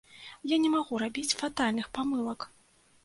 Я не магу рабіць фатальных памылак.